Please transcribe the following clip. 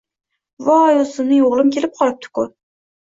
Voy, o‘zimning o‘g‘lim kelib qolibdi-ku!